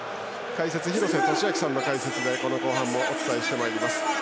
廣瀬俊朗さんの解説で後半もお伝えしてまいります。